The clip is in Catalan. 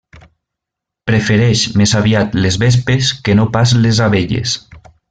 Prefereix, més aviat, les vespes que no pas les abelles.